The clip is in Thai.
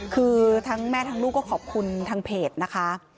คือทั้งแม่ทั้งลูกก็ขอบคุณทางเพจนะคะ